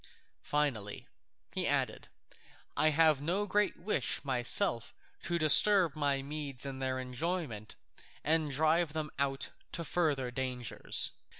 Finally," he added, "I have no great wish myself to disturb my Medes in their enjoyment, and drive them out to further dangers."